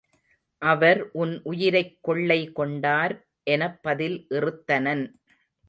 அவர் உன் உயிரைக் கொள்ளை கொண்டார் எனப் பதில் இறுத்தனன்.